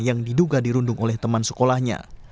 yang diduga dirundung oleh teman sekolahnya